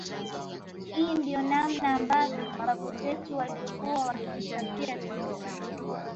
Hii ndio namna ambavyo mababu zetu walivyokuwa wakijitafutia chakula